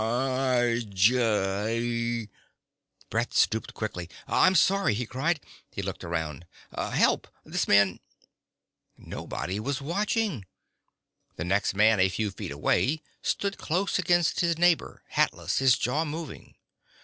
Awww, jawww ..." Brett stooped quickly. "I'm sorry," he cried. He looked around. "Help! This man ..." Nobody was watching. The next man, a few feet away, stood close against his neighbor, hatless, his jaw moving.